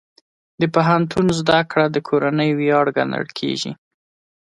د پوهنتون زده کړه د کورنۍ ویاړ ګڼل کېږي.